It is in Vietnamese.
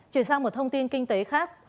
chuyển sang một thông tin kinh tế khác